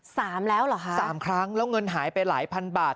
สามแล้วเหรอคะสามครั้งแล้วเงินหายไปหลายพันบาท